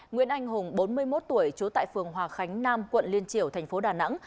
nguyễn anh hùng bốn mươi một tuổi trú tại phường hòa khánh nam quận liên triều tp đà nẵng